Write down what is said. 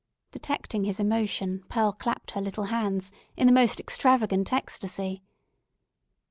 Detecting his emotion, Pearl clapped her little hands in the most extravagant ecstacy.